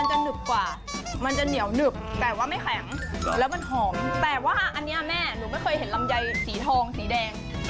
แต่ว่าอันนี้เนี้ยแม่หนูไม่เคยเห็นลำไยสีทองสีดาง